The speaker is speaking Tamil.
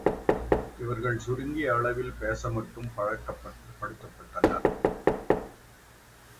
இவர்கள் சுருங்கிய அளவில் பேச மட்டும் பழக்கப்படுத்தப்பட்டனர்.